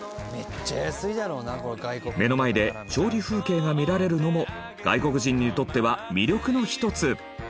目の前で調理風景が見られるのも外国人にとっては魅力の一つ。